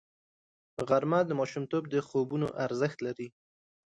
غرمه د ماشومتوب د خوبونو ارزښت لري